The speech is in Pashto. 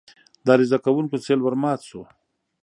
د عریضه کوونکو سېل ورمات شو.